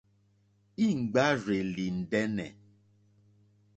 Íŋ!ɡbárzèlì ndɛ́nɛ̀.